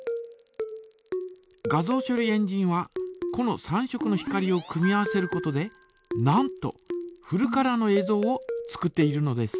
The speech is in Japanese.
画像処理エンジンはこの３色の光を組み合わせることでなんとフルカラーのえいぞうを作っているのです。